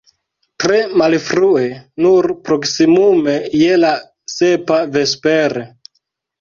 Tre malfrue, nur proksimume je la sepa vespere.